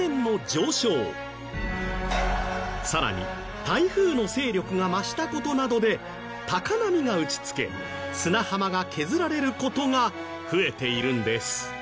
更に台風の勢力が増した事などで高波が打ち付け砂浜が削られる事が増えているんです。